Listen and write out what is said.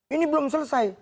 ini belum selesai